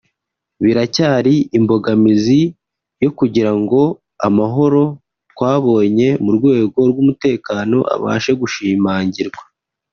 biracyari imbogamizi yo kugira ngo amahoro twabonye mu rwego rw’umutekano abashe gushimangirwa